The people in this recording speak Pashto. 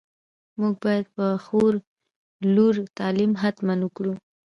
موږ باید په خور لور تعليم حتماً وکړو.